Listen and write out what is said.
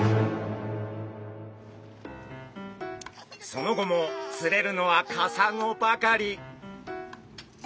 その後も釣れるのはカサゴばかり。